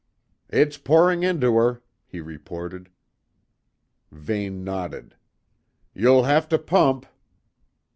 "It's pouring into her," he reported. Vane nodded. "You'll have to pump."